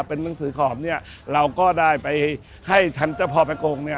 เป็นหนังสือขอบเนี่ยเราก็ได้ไปให้ท่านเจ้าพ่อประกงเนี่ย